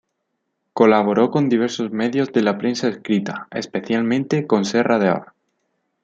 Colaboró con diversos medios de la prensa escrita, especialmente con Serra d'Or.